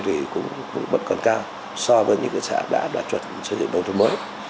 thì cũng vẫn còn cao so với những cái xã đã đạt chuẩn xây dựng đồng thuật mới